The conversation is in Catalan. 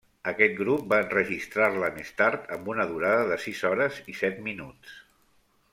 Aquest grup va enregistrar-la més tard amb una durada de sis hores i set minuts.